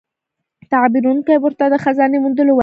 تعبیرونکی ورته د خزانې موندلو وايي.